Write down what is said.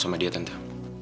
sama dia tante